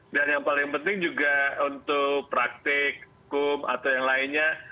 dan yang paling penting juga untuk praktek kum atau yang lainnya